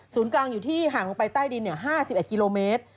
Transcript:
กลางอยู่ที่ห่างลงไปใต้ดิน๕๑กิโลเมตร